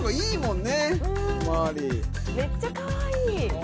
めっちゃかわいい。